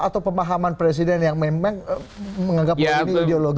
atau pemahaman presiden yang memang menganggap bahwa ini ideologis